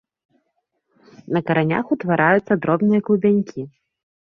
На каранях ўтвараюцца дробныя клубянькі.